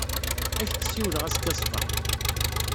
Ad ak-d-ssiwleɣ azekka ṣṣbeḥ.